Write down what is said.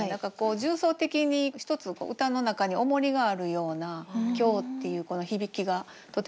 重層的に一つ歌の中におもりがあるような「今日」っていうこの響きがとても好きでした。